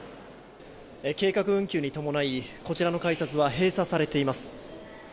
計画運休に伴いこちらの改札は閉鎖されています。